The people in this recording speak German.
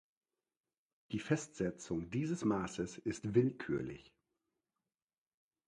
Die Festsetzung dieses Maßes ist willkürlich.